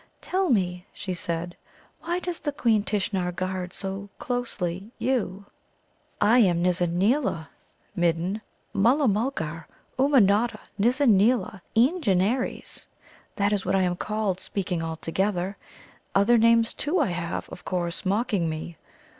"Tell me," she said, "why does the Queen Tishnar guard so closely you?" "I am a Nizza neela, Midden Mulla mulgar Ummanodda Nizza neela Eengenares that is what I am called, speaking altogether. Other names, too, I have, of course, mocking me.